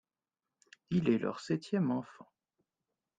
Il est leur septième enfant.